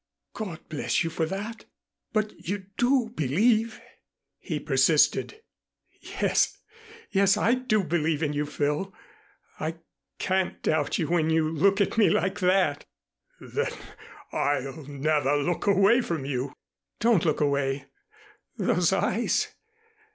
"God bless you for that. But you do believe " he persisted. "Yes, yes, I do believe in you, Phil. I can't doubt you when you look at me like that." "Then I'll never look away from you." "Don't look away. Those eyes!